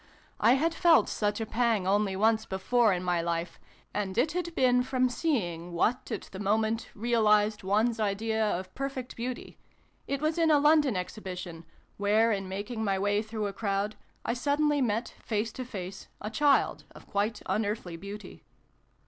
(I had felt such a pang only once before in my life, and it had been from seeing what, at the moment, realised one's idea of perfect beauty it was in a London exhibition, where, in making my way through a crowd, I suddenly met, face to face, a child of quite unearthly beauty.)